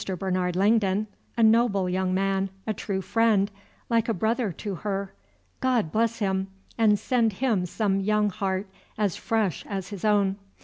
Bernard Langdon: a noble young man, a true friend, like a brother to her, God bless him, and send him some young heart as fresh as his own!